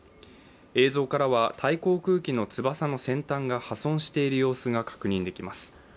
映像からはタイ航空機の翼の先端が破損している様子が確認できます。